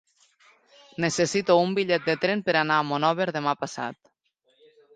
Necessito un bitllet de tren per anar a Monòver demà passat.